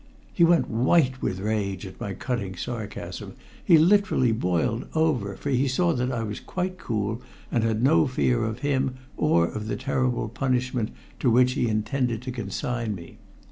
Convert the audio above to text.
He went white with rage at my cutting sarcasm. He literally boiled over, for he saw that I was quite cool and had no fear of him or of the terrible punishment to which he intended to consign me.